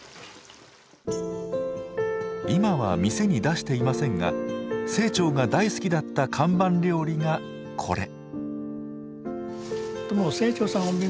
今は店に出していませんが清張が大好きだった看板料理がこれ。